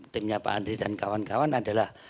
timnya pak andri dan kawan kawan adalah